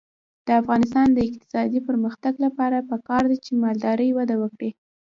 د افغانستان د اقتصادي پرمختګ لپاره پکار ده چې مالداري وده وکړي.